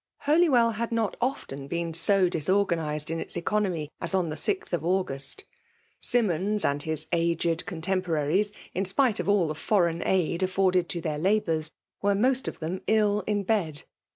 Holywell had not often bees 89 duMTganized m its ecenomy as on Ae 6th of Annual. Simmovs and his aged eo« tfappotarics, in spite of all the foreign aid afforded to their labours, were most of then ill in bed.